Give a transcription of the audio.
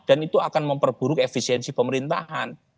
dan itu akan memperburuk efisiensi pemerintahan